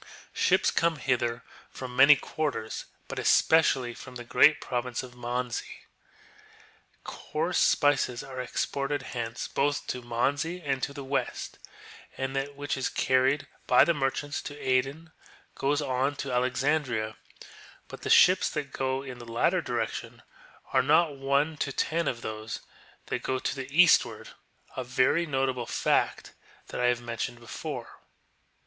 Ships come hither from many quarters, but especi ally from the great province of Manzi.^ Coarse spices are exported hence both to Manzi and to the west, and that which is carried by the merchants to Aden goes on to Alexandria, but the ships that go in the latter direction are not one to ten of those that go to the eastward ; a very notable fact that I have mentioned before.